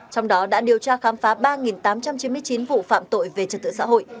trong đó đã điều tra khám phá ba tám trăm chín mươi chín vụ phạm tội về trật tự xã hội